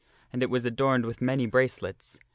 And it was adorned with many bracelets.